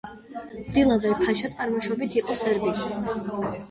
დილავერ-ფაშა წარმოშობით იყო სერბი.